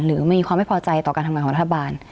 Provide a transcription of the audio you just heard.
หรือมีความไม่พอใจต่อการทำงานของรัฐบาล